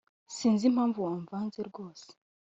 Sinzi impamvu wamvanze rwose